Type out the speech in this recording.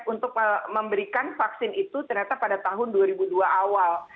untuk memberikan vaksin itu ternyata pada tahun dua ribu dua awal